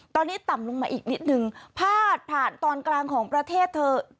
ตอนนี้ต่ำลงมาอีกนิดนึงพาดผ่านตอนกลางของประเทศเถอะ